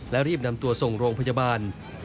และรีบนำตัวส่งโรงพยาบาล